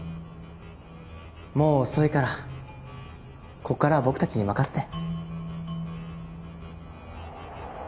もう遅いからここからは僕たちに任せて。